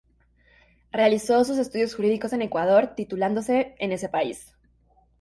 Realizó sus estudios jurídicos en Ecuador, titulándose en ese país.